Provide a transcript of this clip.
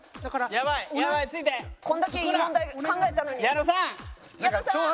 矢野さん！